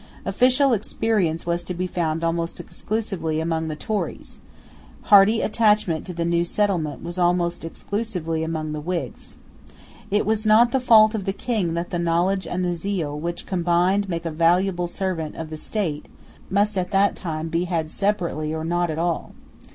Official experience was to be found almost exclusively among the Tories, hearty attachment to the new settlement almost exclusively among the Whigs. It was not the fault of the King that the knowledge and the zeal, which, combined, make a valuable servant of the state must at that time be had separately or not at all.